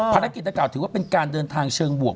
ภารกิจดังกล่าถือว่าเป็นการเดินทางเชิงบวก